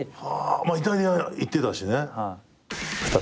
イタリア行ってたしね。